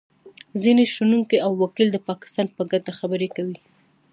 ځینې شنونکي او وکیل د پاکستان په ګټه خبرې کوي